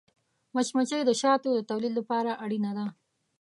مچمچۍ د شاتو د تولید لپاره اړینه ده